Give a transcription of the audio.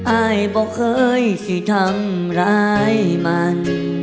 อายบอกเคยสิทำร้ายมัน